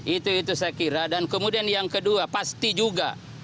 itu itu saya kira dan kemudian yang kedua pasti juga